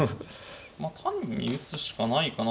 まあ単に打つしかないかなと。